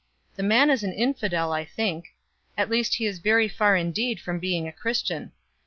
The man is an infidel, I think. At least he is very far indeed from being a Christian.